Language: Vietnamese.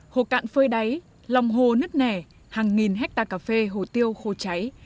hồ cạn phơi đáy lòng hồ nứt nẻ hàng nghìn hectare cà phê hồ tiêu khô cháy